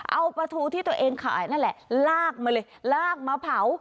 เอาปลาทูที่ตัวเองขายนั่นแหละลากมาเลยลากมาเผา